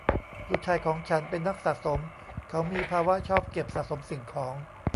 ลูกชายของฉันเป็นนักสะสม : เขามีภาวะชอบเก็บสะสมสิ่งของ